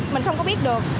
mình không có biết được